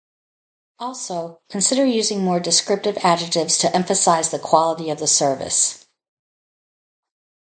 Also, consider using more descriptive adjectives to emphasize the quality of the service.